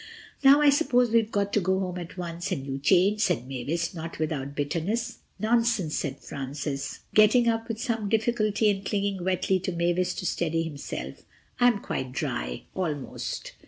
"Now, I suppose we've got to go home at once and you change," said Mavis, not without bitterness. "Nonsense," said Francis, getting up with some difficulty and clinging wetly to Mavis to steady himself. "I'm quite dry, almost."